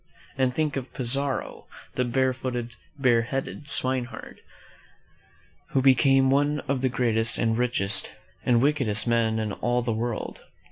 And think of Pizarro, the barefooted, bareheaded swineherd, who became one of the greatest and richest and wickedest men in all the world!